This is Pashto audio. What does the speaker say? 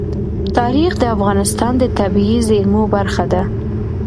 تاریخ د افغانستان د طبیعي زیرمو برخه ده.